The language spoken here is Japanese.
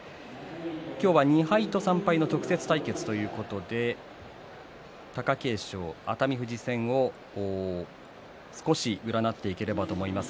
２敗と３敗の直接対決ということで貴景勝、熱海富士戦を少し占っていければと思います。